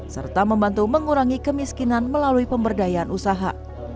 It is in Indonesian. serta membantu mengurangi kemiskinan melalui pemberdayaan usaha